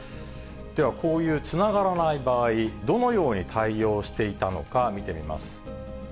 では、こういうつながらない場合、どのように対応していたのか、見てみます。